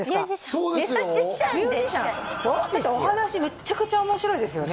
そうですよだってお話めっちゃくちゃ面白いですよね